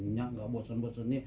nyak gak bosen bosennya